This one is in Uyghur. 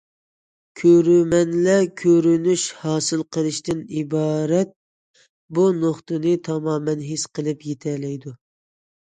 كۆرۈرمەنلەر كۆرۈنۈش ھاسىل قىلىشتىن ئىبارەت بۇ نۇقتىنى تامامەن ھېس قىلىپ يېتەلەيدۇ.